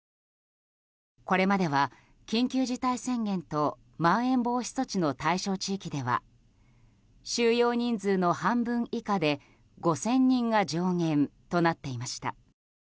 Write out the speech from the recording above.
これまでは、緊急事態宣言とまん延防止措置の対象地域では収容人数の半分以下で５０００人が上限となっていました。